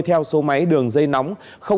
theo số máy đường dây nóng